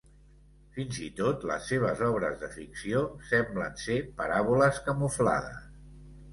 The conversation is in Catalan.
Fins i tot les seves obres de ficció semblen ser paràboles camuflades.